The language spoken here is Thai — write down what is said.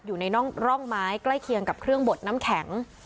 อยู่ในร่องไม้ใกล้เคียงกับเครื่องบดน้ำแข็ง